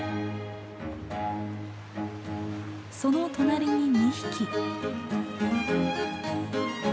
その隣に２匹。